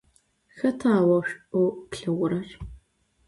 Xeta vo ş'u plheğurer?